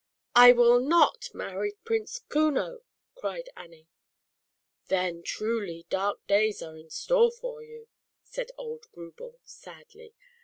"I will not marry Prince Kuno!" cried Annie. "Then, truly, dark days are in store for you," said old Grubel, sadly.